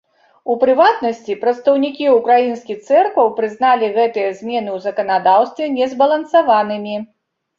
У прыватнасці, прадстаўнікі ўкраінскіх цэркваў прызналі гэтыя змены ў заканадаўстве незбалансаванымі.